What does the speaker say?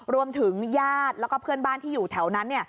รวมถึงญาติแล้วก็เพื่อนบ้านที่อยู่แถวนั้น